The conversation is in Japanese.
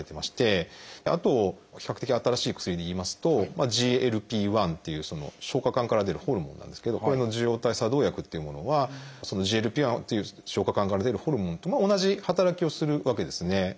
あと比較的新しい薬でいいますと「ＧＬＰ−１」っていう消化管から出るホルモンなんですけどこれの受容体作動薬っていうものはＧＬＰ−１という消化管から出るホルモンとも同じ働きをするわけですね。